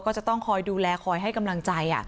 ก็จะต้องคอยดูแลคอยให้กำลังใจ